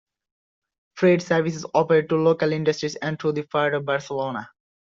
Freight services operate to local industries and to the Port of Barcelona.